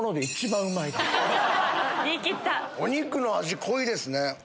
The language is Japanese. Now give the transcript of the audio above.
お肉の味濃いですね。